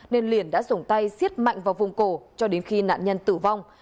nên liền đã dùng tay xiết mạnh vào vùng cổ cho đến khi nạn nhân tử vong